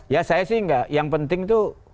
ya saya sih enggak yang penting tuh